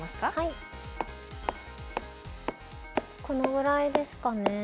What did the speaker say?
このぐらいですかね？